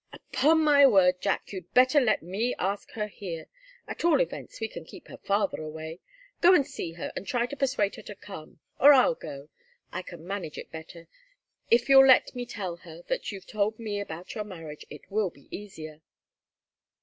"Upon my word, Jack, you'd better let me ask her here. At all events, we can keep her father away. Go and see her and try to persuade her to come. Or I'll go. I can manage it better. If you'll let me tell her that you've told me about your marriage, it will be easier.